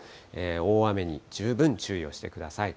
大雨に十分注意をしてください。